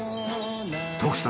徳さん